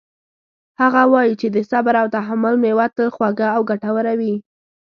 هغه وایي چې د صبر او تحمل میوه تل خوږه او ګټوره وي